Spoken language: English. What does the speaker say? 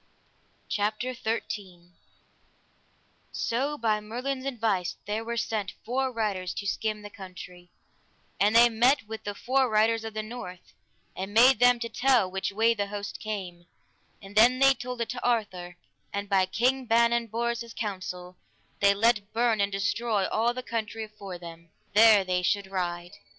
CHAPTER XIII. Of a dream of the King with the Hundred Knights. So by Merlin's advice there were sent fore riders to skim the country, and they met with the fore riders of the north, and made them to tell which way the host came, and then they told it to Arthur, and by King Ban and Bors' council they let burn and destroy all the country afore them, there they should ride.